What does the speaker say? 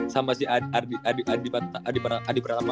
sama si adi pertama